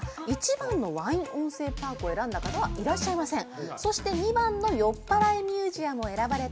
１番のワイン温泉パークを選んだ方はいらっしゃいません